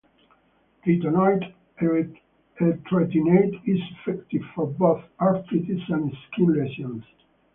Retinoid etretinate is effective for both arthritis and skin lesions.